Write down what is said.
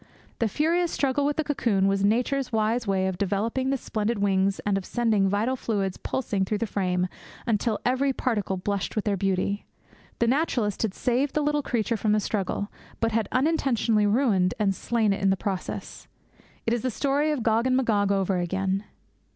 The furious struggle with the cocoon was Nature's wise way of developing the splendid wings and of sending the vital fluids pulsing through the frame until every particle blushed with their beauty. The naturalist had saved the little creature from the struggle, but had unintentionally ruined and slain it in the process. It is the story of Gog and Magog over again.